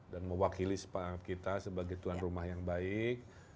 dan mewakili kita sebagai tuan rumah yang baik